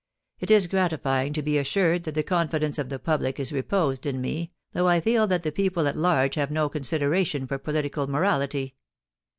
It is gratifying to be assured that the con fidence of the public is reposed in me, though I feel that the people at large have no consideration for political morality.